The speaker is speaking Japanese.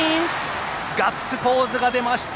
ガッツポーズが出ました